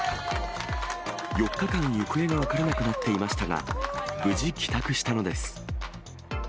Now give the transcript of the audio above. ４日間、行方が分からなくなっていましたが、無事帰宅したのです。